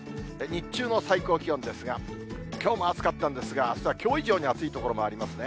日中の最高気温ですが、きょうも暑かったんですが、あすはきょう以上に暑い所もありますね。